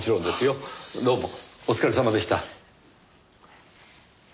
どうもお疲れさまでした。